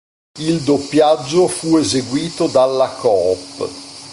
Il doppiaggio fu eseguito dalla Coop.